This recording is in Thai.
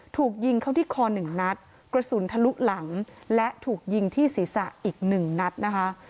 ถูกยิงเข้าที่คอหนึ่งนัดกระสุนทะลุหลังและถูกยิงที่ศีรษะอีกหนึ่งนัดนะคะ